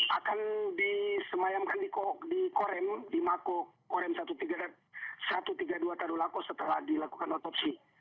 akan disemayamkan di korem di mako korem satu ratus tiga puluh dua tadulako setelah dilakukan otopsi